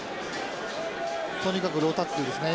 とにかくロータックルですね。